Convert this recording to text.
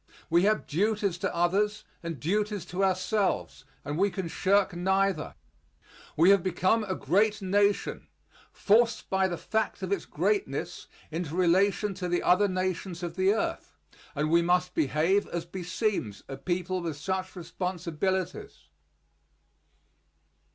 We have duties to others and duties to ourselves and we can shirk neither. We have become a great nation, forced by the fact of its greatness into relation to the other nations of the earth, and we must behave as beseems a people with such responsibilities.